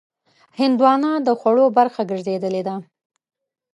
هندوانه د خوړو برخه ګرځېدلې ده.